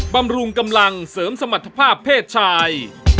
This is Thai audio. บำรุงกำลังเสริมสมรรถภาพเพศชาย